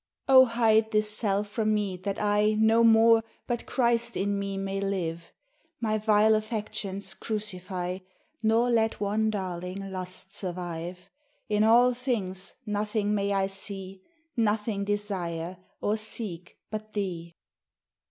Oh! hide this self from me, that I No more, but Chrisl in me, may live. My vile affections crucify. Nor let one darling lust survive. In all things nothing may I see, Nothing desire or seek but thee.